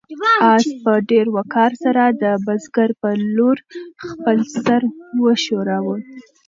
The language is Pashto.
آس په ډېر وقار سره د بزګر په لور خپل سر وښوراوه.